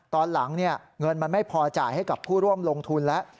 ตอนหลังเงินมันไม่พอจ่ายให้กับผู้ร่วมลงทุนแล้ว